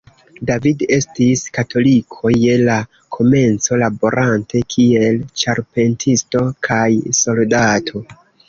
David estis katoliko je la komenco, laborante kiel ĉarpentisto kaj soldato.